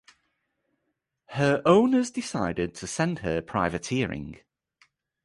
Her owners decided to send her privateering.